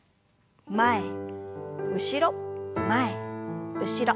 前後ろ前後ろ。